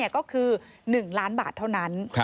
ก็คือ๑ล้านบาทเท่านั้น